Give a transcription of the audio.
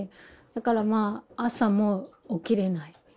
だからまあ朝も起きれない。